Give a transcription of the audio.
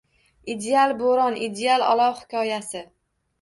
Ideal bo'ron, ideal olov hikoyasi